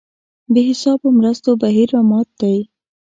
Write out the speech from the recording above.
بې حسابو مرستو بهیر رامات دی.